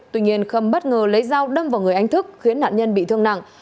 tuy nhiên khâm bất ngờ lấy dao đâm vào người anh thức khiến nạn nhân bị thương nặng